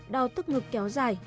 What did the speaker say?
đau thức ngực kéo dài